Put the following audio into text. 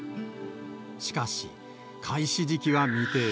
しかし、開始時期は未定。